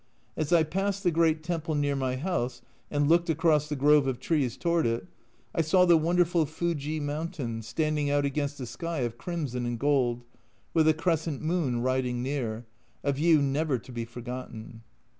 As I passed the great temple near my house and looked across the grove of trees toward it, I saw the wonderful Fujii mountain standing out against a sky of crimson and gold, with a crescent moon riding near a view never to be forgotten.